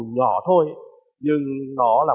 nhỏ thôi nhưng nó là